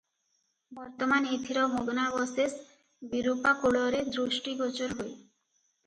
ବର୍ତ୍ତମାନ ଏଥିର ଭଗ୍ନାବଶେଷ ବିରୂପାକୂଳରେ ଦୃଷ୍ଟିଗୋଚର ହୁଏ ।